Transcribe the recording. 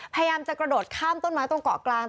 พยายามจะกระโดดข้ามต้นไม้ตรงเกาะกลาง